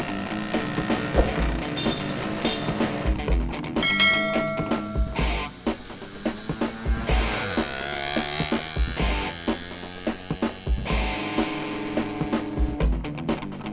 kita bisa bingung bensin aja